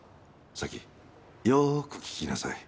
早紀よーく聞きなさい。